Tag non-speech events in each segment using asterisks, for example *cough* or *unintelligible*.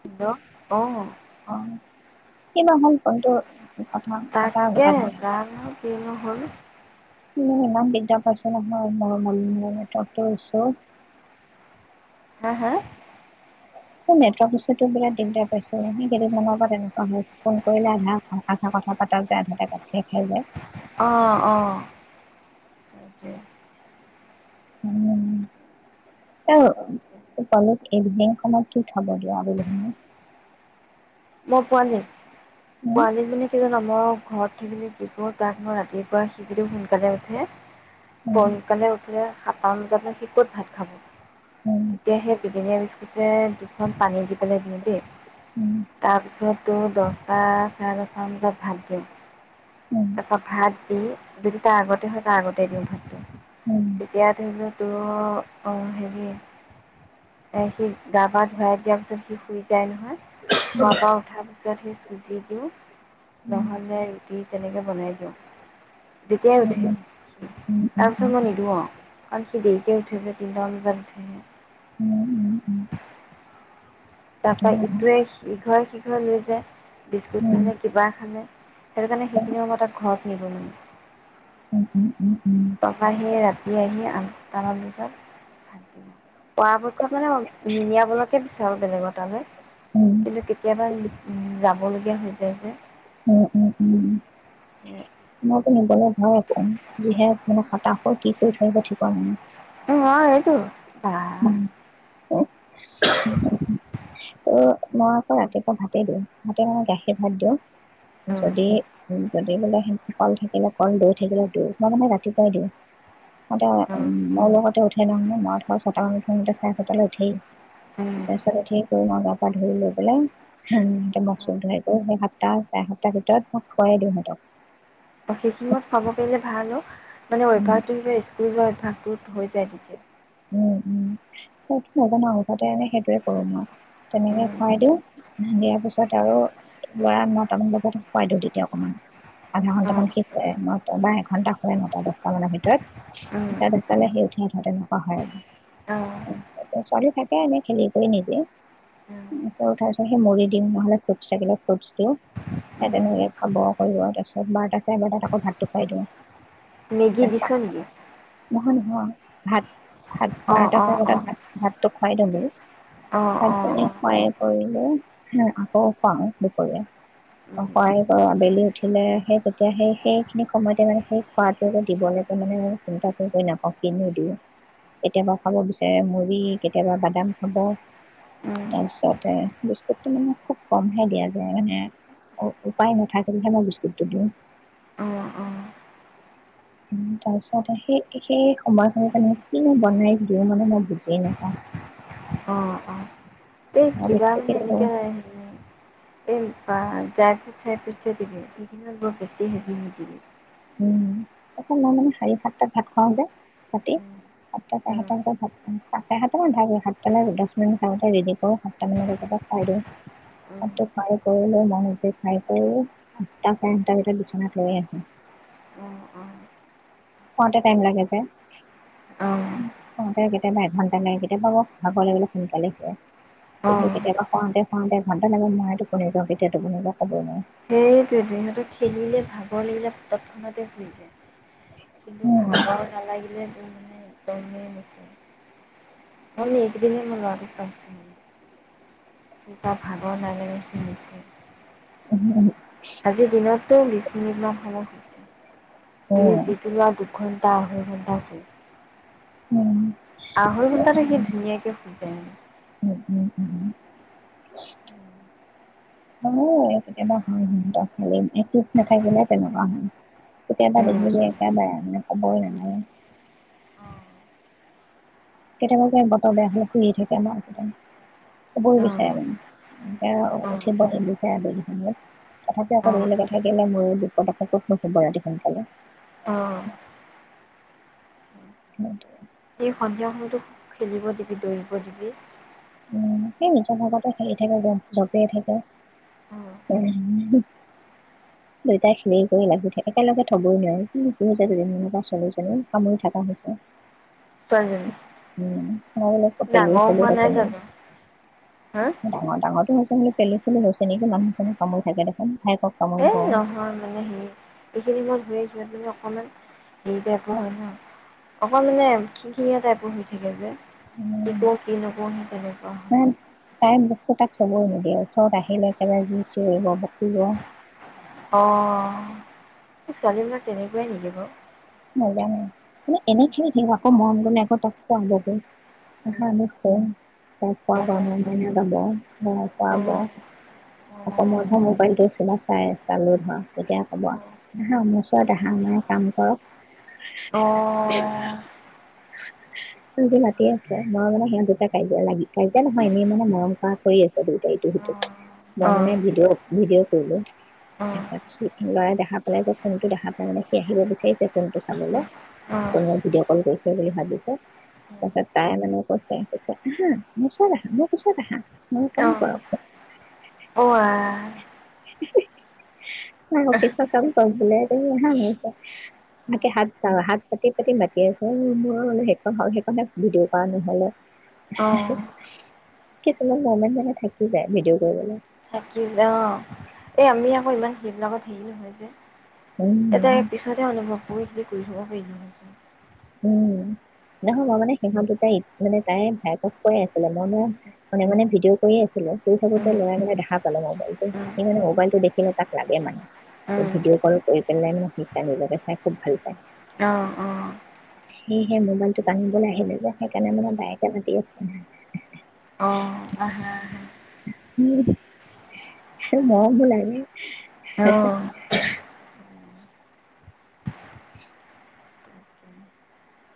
Hello, অ। অ কিবা হল‌ ফোনটো কথা কটা তাকে আধাতে জানো কিনো। হয়। উম, ইমান দিগদাৰ পাইছো নহয় মই *unintelligible* আছো। হা হা। নেত্ৰৰ্ক ইচুটো বোলে দিগদাৰ পাইছো। সেই কেইদিনমানৰপা তেনেকুৱা হৈছে। ফোন কৰিলে আধা আধা কথা পাতাত যোয় আধাতে গাত খাই খাই যায়। অ অ সেইটোৱেই। উম। এ অ পালে। *inaudible* সময়ত কি খাব দিয় আবেলি সময়ত। মই পোৱালি। সময়ত পোৱালি মানে কি জান' মৰম ঘৰত থাকিলে কি কৰো তাক মই ৰাতিপুৱা সি যদি সোনকালে উঠে। উম সোনকালে উঠে সাতটামান বজাতনো সি ক'ত ভাত খাব। উম তেতিয়া সেই বিটেনীয়া বিস্কুটয়ে দুখন পানী দি পেলাই দিওঁ দেই। উম। তাৰপিছত তোৰ দচটা চাৰে দচটামান বজাত ভাত উম দিওঁ। তাপ ভতি যদি তাৰ আগতে হয়, তাৰ আগতে দিওঁ ভাতটো। উম উম উম তেতিয়া ধৰিলো তোৰ। অ' হেৰি এ সি গা পা ধুৱাই দিয়াৰ পিছত সি শুই যায় নহয়। শুৱাৰপা উঠাৰ পিছত সি চুজি দিওঁ নহ'লে ৰুটি তেনেকে বনাই দিওঁ। যেতিয়াই উঠে তাৰপিছত মই নিদিওঁ আৰু কাৰণ সি দেৰিকে উঠে যে তিনিটা মান বজাত উম উম উম উম উম উম উম উম উম উম উম উঠেহে। তাৰপৰা ইটোৱে সিঘৰ-সিঘৰ লৈ যায় বিস্কুট খানে কিবা খানে সেইটো কাৰণে সেইখিনি সময়ই তাক ঘৰত নিব নোৱাৰি। উম উম উম উম তাৰপা সি ৰাতি আহি আঠ টা মানত বজাত পৰাপক্ষত মানে নিনিয়াবলৈকে বিচাৰো বেলেগত। উম, কিন্তু কেতিয়াবা যাবলগীয়া হৈ যায় যে। উম, উম, উম। মইতো নিবলৈ ভয়ে কয়ো যিহে মহা খটাসুৰ কি কৰি থৈ আহিব ঠিকান‌ নাই। উ আ এইটো। বা অ'। মই আকৌ ৰাতিপুৱা ভাতে দিওঁ ভাতে মানে গাখীৰ ভাত দিওঁ। উম, যদি উম। যদি বোলে হেই কল থাকিলে কল দৈ থাকিলে দৈ মই মানে ৰাতিপুৱাই দিওঁ। সতে উ উম, মোৰ লগতে উঠে নহয়। *inaudible* মই ছটামান উঠো ইহঁতে চাৰেছটালে উঠেই উম। তাৰপিছত উঠিয়েই কৰো ন গা পা ধুই লৈ পেলাই মুখ- চুখ ধুৱাই কৰি সাতটা চাৰেসাতটা ভিতৰত মই খুৱাই দিওঁ সিহঁতক। অফিচিঙত খাব পাৰিলে ভাল অ। মানে অভ্যাস উম, টো যে স্কুল যোৱা অভ্যাস। তোত হৈ যায় তেতিয়া। উ উ সেইটো নাজানো আৰু উঠতে সেইটোৱে কৰো মই তেনেকে উম, খুৱাই দিওঁ। উ' দিয়াৰ পিছত আৰু লৰা নটামান বজাত শুইৱাই দিওঁ। তেতিয়া অকমান আধা অ', ঘন্টামান সি শুৱে নটবা এঘন্টা শুৱে নটা দচটা মানৰ ভিতৰত উম, চাৰেদচটালে সি উঠে। অ', আৰু ছোৱালী থাকে এনে খেলি কৰি নিজে উম, উঠাৰ পিছত সেই মৰি দিওঁ নহ'লে ফ্ৰুটছ থাকিলে ফ্ৰুট দিওঁ উম। তেনেকে খাব কৰিব তাৰপিছত বাৰ্তা চাই বাৰ আকৌ ভাতটো খুৱাই দিওঁ। মেগী দিছো তাৰপিছত নেকি। নহয় নহয় ভাত ভাত অ', বাৰটা অ', চাবাৰতা অ', ভাত ভাতটো খোৱাই দিও বোলো। অ', অ', অ', হয় এ হয়নে হো আকৌ খুৱাও দুপৰীয়া উম। খোৱাই কৰ আবেলি উঠিলে সেই তেতিয়া সেই সেইখিনি সময়তে মানে সেই খোৱাটো দিব লাগে মানে চিন্তা কৰি কৰি নাপাওঁ কিনো দিও। কেতিয়াবা খাব বিচাৰে মুড়ি কেতিয়াবা বাদাম খাব উম, তাৰপিছতে বিস্কুটটো মানে খুব কমহে দিয়া যায় মানে উপায় নথাকিলেহে মই বিস্কুটটো দিওঁ। অ', অ', তাৰ পিছত সেই সেই সময়খতে মই কিনো বনাই দিওঁ মানে মই বুজিয় নাপাওঁ। অঁ অঁ এই অ' কিবা বেছিকে মানে দিওঁ এনেকে এই ড্ৰাইফুট শ্ৰাইফুট হে দিবি সেইখিনি ব বেছি হেভি নিদিবি। উম তাচত মই মানে চাৰি সাতটাত ভাত খাওঁযে ৰাতি উম, সাতটা চাৰে উম, সাতটা ভিতৰত ভাত খাওঁ চাৰে সাতটা মান ভাত সাতটালৈ দহ মিনিট আগতে ৰেডি কৰো সাতটা মান ব পৰা খুৱাই দিওঁ উম, তাত ফ্ৰাই কৰি মন ফ্ৰাই কৰি আঠটা চাৰে সাতটা ভিতৰত বিচনাত শুৱে আৰু। অ', অ'। খওঁতে টাইম লাগে যে অ', খওঁতে কেতিয়াবা এঘন্টা লাগে কেতিয়াবা ভাগৰ লাগিলে সোনকালে শুৱে। কিন্তু অ', কেতিয়াবা খুৱাওঁতে অ দেৰ ঘণ্টা লাগে টোপনি যাওঁতে কেতিয়া টোপনি যাওঁ কবৈ নোৱাৰো। সেয়েতো সিহঁতে খেলিলে ভাগৰ লাগিলে তৎক্ষণতে শুই যায়। কিন্তু ভাগৰ নালাগিলে মানে একদমেই ম একদিনই মই ল'ৰাটো পাইছো ভাগৰ নালাগে উহো উহো টো বিছ মিনিটমান সময় শুইছে। তুমি যিটো লোৱা ঘন্টা আহে ঘন্টা শুই উম আহৈ ঘন্টা থাকি সি ধুনীয়াকে শুইছে। *unintelligible* অ কেতিয়াবা হয় সিহতৰ খালি ঠিক নাথাকিলে তেনেকুৱা হল কেতিয়াবা দেখিলি উম। একেবাৰে মানে কবই নালাগে। কেতিয়াবাকে বতৰ বেয়া হলে শুইয়ে থাকে আমাৰ কবই বিচাৰে অ', মানে অ', উঠিব নিবিচাৰে আবেলি সময়ত তথাপি অকল অ', শুই থাকিলে মোৰে বিপদ কতনো শুব ৰাতি সোনকালে। অ'। *unintelligible* এই সন্ধিয়া সময়তো খেলিব দিবি দৌৰিব দিবি। উ সেই নিজৰ ভাগতে হেৰি থাকে জপিয়াই থাকে, অ', দুইটাই খেলি কৰি লাগি থাকে একেলগে থবই নোৱাৰে কি কি দুদুৱা ছোৱালীজনী কামুৰি থকা হৈছে। ছোৱালীজনী। উম পেলু ডাঙৰ চেলু হোৱা হৈছে নাই নেকি? জানো! ডাঙৰ ডাঙৰটো হৈছে পেলু চেলু হৈছে নেকি মানুহ সনুঃ কামোৰি থাকে দেখোন। এ কামুৰিব। নহয় মানে হেৰি এইখিনি মই ধৰি *unintelligible* অকণমান হেৰি টাইপৰ হয় নহয় অকণমানে খিংখিঙীয়া টাইপৰ হৈ থাকে যে। উম, কি কৰোঁ কি নকৰোঁ সে তেনেকুৱা হয় তাইৰ বস্তু তাক চুবৈ নিদিয়ে ওচৰত আহিলে একেবাৰে যি চিঞৰিব বকিব অ ছোৱালীবিলাক তেনেকুৱাই নেকি বাৰু? *unintelligible* *unintelligible* অঁ অঁ মোবাইলটো চা চাই চালো ধৰা, তেতিয়া কব, আহা মোৰ ওচৰত আহা কাম কৰক। অ', জি ৰাতিয়ে আছ, মই মানে সিহঁত দুটা কাজিয়া লাগি-কাজিয়া নহয়, এনেই মানে মৰম কৰা কৰি আছে দুইটা ইটো সিটো। মই অঁ অঁ মানে ভিডিঅ'-ভিডিঅ' কৰিলো, তাৰপাছত লৰাই দেখা পালে, যে ফোনটো দেখা পালাই মানে সি আহিব বিচাৰিছে ফোনটো চাবলে অঁ কোনোবাই ভিডিঅ কল কৰিছে বুলি ভাবিছে, তাৰপাছত তাই মানে কৈছে কৈ আহা, মোৰ ওচৰত আহা মোৰ কোঁছত আহা মোৰ অ কাম কৰক অ আ *inaudible* অ, অফিছ কাম কৰিবলে *unintelligible* তাকে হাত পা-হাত পাতি পাতি মাতি আছে, অ মই স-সেইকন হে ভিডিঅ কৰা নহলে। অহ কিছুমান মমেণ্ট মানে থাকি যায় ভিডিঅ' কৰিবলৈ থাকিল অ এই আমি আকৌ ইমান সেইবিলাকত হেৰি নহয় যে উম এতিয়া পিছতে অনুভৱ কৰিছো *unintelligible* উম', নহয় মই মানে সিহঁত দুটাই মানে তাই ভায়েকক কৈ আছিলে। মই ম মনে মনে ভিডিঅ' কৰি আছিলো। কৰি থাকোতে উম, লৰাই মানে দেখা পালে মোবাইলটো, উম, সি মানে মোবাইলটো দেখি তাক লাগে মানে। উম, ভিডিঅ' কল কৰি পেলাই মান সি চাই-নিজকে চাই খুব ভাল পায়। অহ অহ সেয়েহে মোবাইলটো টানিবলে আহিলে যে সেইকাৰণে মানে বায়েকে মতি আছে। অ', আহা হা মৰমো লাগে অ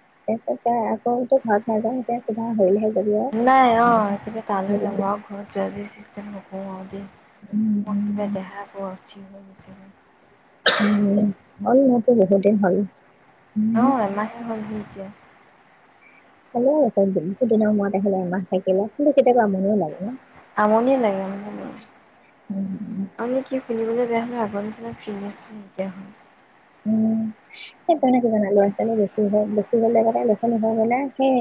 *inaudible* নাই অ মানে একেবাৰে তালে নাযাওঁ, লঘৰত নকওঁ আৰু দে উম, মোৰ কিবা উম, দেহা বৰ অস্থি কি হৈ গৈছিলে উম', *unintelligible* অ এমাহে হলহি *inaudible* *unintelligible* দিনৰ মোৰত আহিলে এমাহ থাকিলে, কিন্তু কেতেয়াবা আমনিও লাগে। আমনি লাগে, আমনি উম, আমি কি *unintelligible* বেয়া হ'লেও আগৰ *inaudible* উম সেইকাৰণে কি জানা, লৰা ছোৱালী বেছি হ বেছি হ'লে মানে লৰা ছোৱালী হলে সে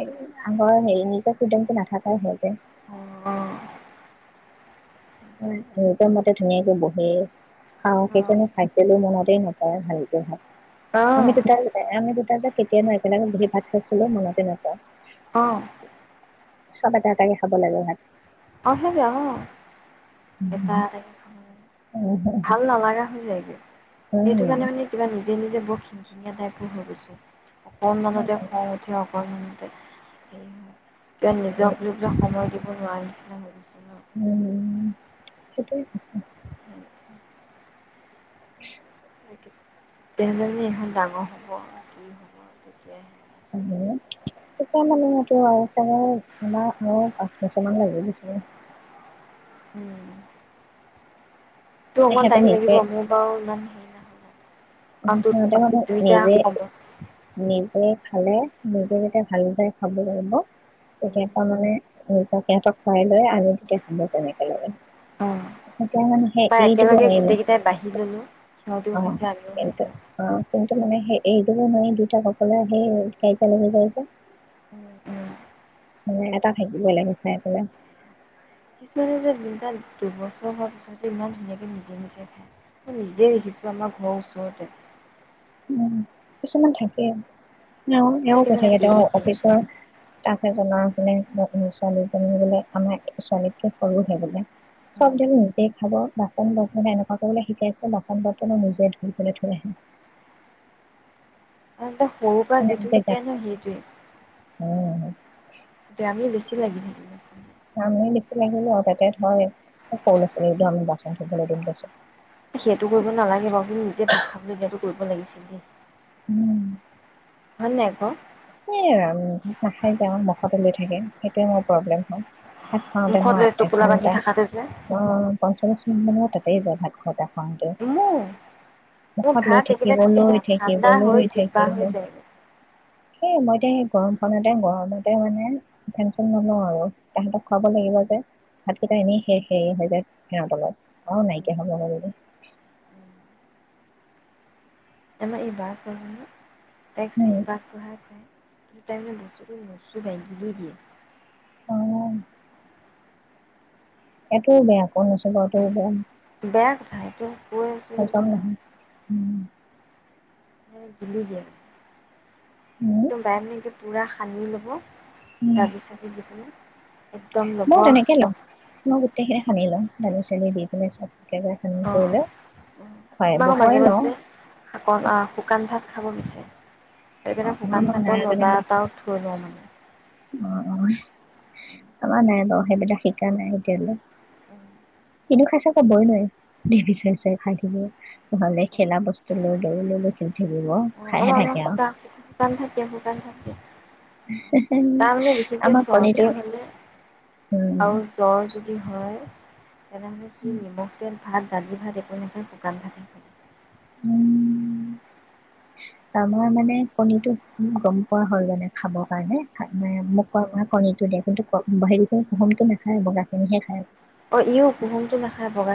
আগৰ হেৰি নিজৰ ফ্ৰীডম টো নাথাকাই হয় গে অ নিজৰ মতে ধুনীয়াকে বহ *unintelligible* খাও সেইকাৰনে খাইছিলো মনতেই নায়। তই ভালকে থাক। আমি দুটাই আমি কেতিয়ানো একেলগে বহি ভাত খাইছিলো মনতে অ', নপৰে চব এটা এটাকে খাব লাগে ভাত। আহে যান। *unintelligible* এটা উম, এটাকে খাব লাগে উম, ভাল নালাগা হৈ যায় গে। সেইটো উম, কাৰণে মানে কিবা নি যে নিযে বৰ খিংখিঙীয়া টাইপৰ হৈ গৈছোঁ। অকনমানতে খং উঠে অকন *unintelligible* তেওঁ নিজক লৈ পেলাই সময় দিব নোৱাৰিছিলে ভাবিছে ন? *unintelligible* *unintelligible* *unintelligible* *unintelligible* ডাঙৰ হ'ব আৰু কি হ'ব তেতিয়াহে। তেতিয়া মানে *unintelligible* আমাৰ আৰু পাঁচ বছৰ মান লাগিব চাগে। উম তোৰ মানে অকমান সিহঁতে টাইম নিজে লাগিব মোৰ বাৰু ইমান হে নাই। সিহঁতে মানে নিজে শব্দ নিজে খালে নিজে যাতে ভালদৰে খাব লাগিব এতিয়া উম, পা তামানে *unintelligible* সিহতক খুৱাই লৈ আমি তেতিয়া খাব পাৰিম একেলগে। উ বা দিব একেলগে নোৱাৰি গোটেই মানে কেইটাই বাঢ়ি ললো সিহঁতও খাইছে আমিও খাইছো। *unintelligible* মানে সেই এইটোকো নোৱাৰি দুয়তা অকলে এহ খেল খেলিব যাইযে। উম উম এটা থাকিব লাগি চাই পেলাই। কিছুমান যে দুটা দুবছৰ হোৱাৰ পিছত ইমান ধুনীয়াকে নিজে নিজে খায় মই নিজে দেখিছোঁ আমাৰ ঘৰৰ ওচৰতে। উ কিছুমান থাকে। এওঁ মানে এওঁ কি কৈ জানা থাকে তেওঁ এৰি দিয়ে। অফিচৰ ষ্টাফ এজনৰ *unintelligible* ছোৱালীজনী বোলে আমাৰ ছোৱালীতকে সৰুহে বোলে। চব উম। নিজেই খাব বাচন বৰ্তন এনেকুৱা কৰিবলৈ শিকাইছে বাচন বৰ্তনো নিজে ধুই পলৈ থৈ আহে। *unintelligible* সৰু পৰা মানে যিটো নিজে শিকে গাত ন- সেইটোৱে। উম- এয়া আমি বেছি লাগি থাকিবাচোন *unintelligible* নামে বেছি লাগিলো তাতে ধ সৰু ল আছিল একদো আমি বাচন ধুবলৈ দিম দেছো *unintelligible* সেইটো কৰিব নালাগে বাৰু, কিুন্তু নিজে নিজৰটোলগিয়টো *unintelligible* কৰিব লাগিছিল দেই। উম- হয় নে- নহ‌য় ক? এ ভাত নাখায় যে- আমাৰ মুখতে লৈ থাকে। অ- প্ৰব্লেম হয় ভাত খাওঁতে মুখত মই লৈ টোপোলা বান্ধি এঘন্টা থাকাটো যে অ- পঞ্চল্লিশ মিনিট মান তাতেই যাই ভাত কথা *unintelligible* মোৰ মোৰ মুখত লৈ ভাত একেবাৰে থাকিব, ঠে- লৈ থাকিব, ঠাণ্ডা হৈ লৈ কিবা থাকিব। হৈ যায়গৈ। সেই মইএতিয়া গৰমখনতে গৰমতে মানে ফেন- চেন নলওঁ আৰু তাহাঁতক খুৱাব লাগিব যে। ভাতকেইটা এনেই সেৰসেৰীয়া হৈ যায়। সিহঁত লগ অ নাইকিয়া হ'ব ল *unintelligible* আমাৰ ই বাছ আহিলে - টাইক চাৰি পছ বহাৰ কৰে *unintelligible* টাইমেছ বাগৰি *unintelligible* এইটোও বেয়া। পঊনৈছশ বাতৌবন *unintelligible* হয়টো - পছা ন উম *unintelligible* এ জিল দ *unintelligible* উম এদ ব ন *unintelligible* পূৰা সানি ল'ব- দালি বাকি দিব- মই তেনেকে লওঁ। মই গোটেইখিনৰে সানি লওঁ। ডালি চালি দি পেলাই চব। একেবখিনি অ', *unintelligible* কৰিলে উম, খুৱাই আমাৰো মাজে বহুৱাই লওঁ। মাজে শাকত আ, শুকান ভাত খাব বিচাৰে। অ অ সেইপিনে আমাৰ শুকান মা নাই ভাতৰ লডা যেনিবা এটাও থৈ লওঁ মানে। অ ত *unintelligible* নাই বাৰু সেইবিলাক শিকা নাই এতিয়ালৈ। - *inaudible* কিনো খাইছে কবই নোৱাৰে টিভি চাই-ঢাই খাই থাকিব। নহলে খেলা বস্তু লৈ- মন *inaudible* হব হ'ব থোৱা *inaudible* তাৰ মানে বিশেষকে আমাৰ কণীটো চৰ্দি হলে উম আৰু জ্বৰ যদি হয়। তেনেহলে সি উম নিমখ তেল ল ভাত দালি ভাত একো নাখায় শুকান ভাতহে খাব। উম আমাৰ মানে কণীটো গম পোৱা হয় মানে খাবৰ কাৰণে খালি নাই উম, আউ মোক কোবা ভাত খিনি কিন্তু কোহুমটো নাখায় বগাখিনিহে খায়। অ ইও কুহুমটো নাখায় বগা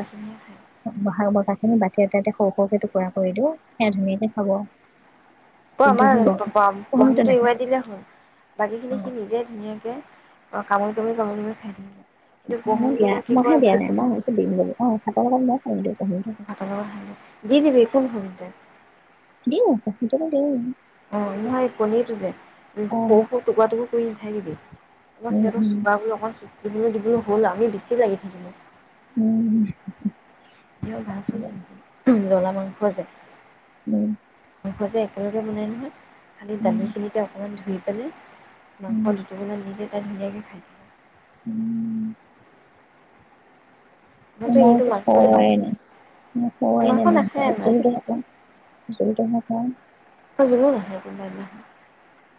বহাৰ বগাখিনি বাতি এটাতে সৰু সৰুকে টুকুৰা কৰি দিও সেয়া ধুনীয়াকে খাব। অঁ কিন্তু সি আমাৰ কুহুমটো এৰুৱাই দিলে হল বাকী অ খিনি সি নিজে ধুনীয়াকে অঁ কামুৰি কামুৰি কামুৰি কামুৰি খাই কিন্তু মই কুহুমটো দিয়া কি মইহে কয় দিয়া ভাত নাই মই ভাবিছো দিম ৰব অঁ তাহাঁতৰ লগত মই খাই দিওঁ কুহুমটো ভাতৰ লগত দি দিবি টু হখণ্ড্ৰেড দিওঁ অ নহয় কণীটো যে সৰু অ সৰু টুকুৰা টুকুৰ কৰি *unintelligible* অ উম সিহঁতৰ উম চোবাবলৈ অকণ দিবলৈ দিবলৈ হ'ল আমি বেছি লাগি থাকিলো উম জলা মাংস গৈছে উম সিহঁতে একেলগে বনাই নহয় খালি দালি উম খিনিতে অকনমান ধুই হয়নে মাংস উম লোতিবৱলে ভাল যে। ধুনীয়াকৈ খাই দিয়ে। উম আমাৰতো মই এইটো যে মাংস নাখায় মাংস নাখায় আমাৰ *inaudible* অঁ জোলো নাখায়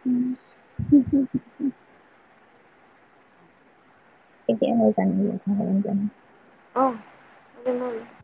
উম *inaudible* এতিয়া মই যাউগে। *unintelligible*